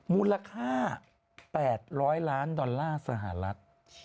มูลค่า๘๐๐ล้านดอลลาร์สหรัฐ